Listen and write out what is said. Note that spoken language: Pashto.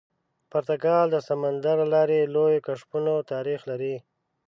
پرتګال د سمندر له لارې لویو کشفونو تاریخ لري.